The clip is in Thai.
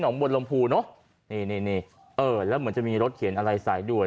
บนลมภูเนอะนี่นี่เออแล้วเหมือนจะมีรถเขียนอะไรใส่ด้วย